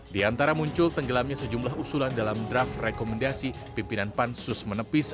di antara muncul tenggelamnya sejumlah usulan dalam draft rekomendasi pimpinan pansus menepis